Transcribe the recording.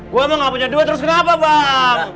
gue emang gak punya duit terus kenapa bang